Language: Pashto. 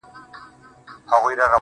مخ ځيني واړوه ته.